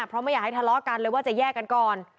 เพราะไม่อยากให้ทะเลาะกันเลยว่าจะแยกกันก่อน